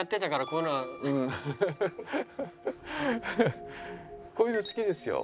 こういうの好きですよ。